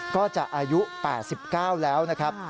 ก็จะอายุ๘๙แล้วนะครับ